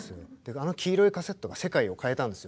あの黄色いカセットが世界を変えたんですよ。